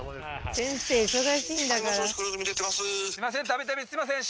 度々すいません